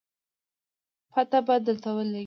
پته به درته ولګي